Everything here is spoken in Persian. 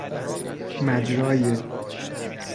مجرای